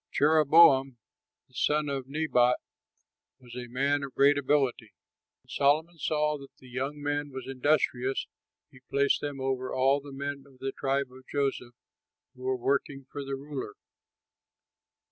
Jeroboam, the son of Nebat, was a man of great ability. When Solomon saw that the young man was industrious, he placed him over all the men of the tribe of Joseph who were working for the ruler.